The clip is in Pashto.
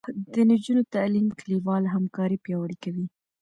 د نجونو تعلیم کلیواله همکاري پیاوړې کوي.